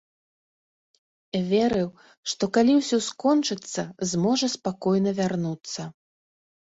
Верыў, што калі ўсё скончыцца, зможа спакойна вярнуцца.